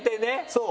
そう。